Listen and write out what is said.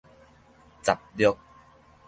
雜錄